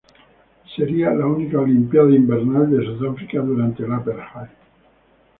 Sería la única olimpiada invernal de Sudáfrica durante el Apartheid.